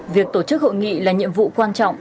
việc tổ chức hội nghị là nhiệm vụ quan trọng